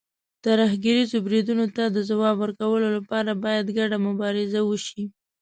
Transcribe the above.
ترهګریزو بریدونو ته د ځواب ورکولو لپاره، باید ګډه مبارزه وشي.